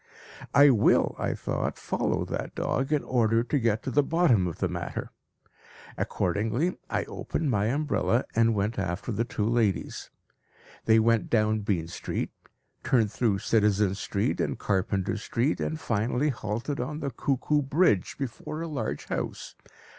"I will," I thought, "follow that dog in order to get to the bottom of the matter. Accordingly, I opened my umbrella and went after the two ladies. They went down Bean Street, turned through Citizen Street and Carpenter Street, and finally halted on the Cuckoo Bridge before a large house.